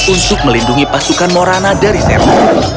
untuk melindungi pasukan morana dari seru